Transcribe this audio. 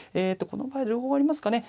この場合両方ありますかね。